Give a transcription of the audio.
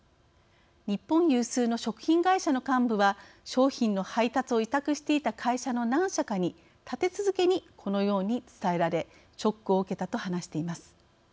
日本有数の食品会社の幹部は商品の配達を委託していた会社の何社かに立て続けにこのように伝えられショックを受けたと話しています。